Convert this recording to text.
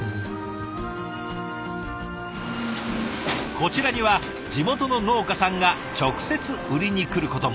こちらには地元の農家さんが直接売りに来ることも。